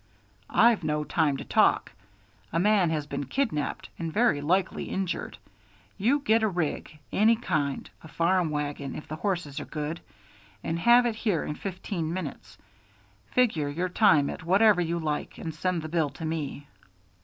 "I've no time to talk. A man has been kidnapped and very likely injured. You get a rig any kind, a farm wagon, if the horses are good and have it here in fifteen minutes. Figure your time at whatever you like and send the bill to me."